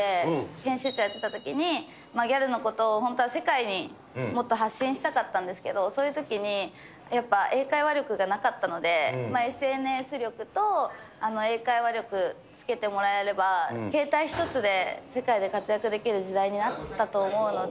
編集長やっていたときに、ギャルのことを本当は世界にもっと発信したかったんですけど、そういうときに、やっぱ英会話力がなかったので、ＳＮＳ力と英会話力つけてもらえれば、携帯一つで、世界で活躍できる時代になったと思うので。